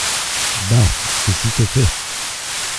Bah ! c’est sitôt fait !